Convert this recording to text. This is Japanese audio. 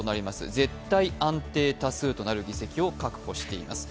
絶対安定多数となる議席を確保しています。